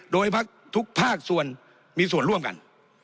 โดยทุกภาคส่วนมีส่วนร่วมกัน